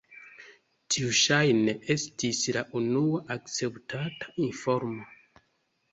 Tiu ŝajne estis la unua akceptata informo.